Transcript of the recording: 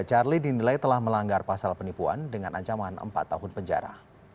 charlie dinilai telah melanggar pasal penipuan dengan ancaman empat tahun penjara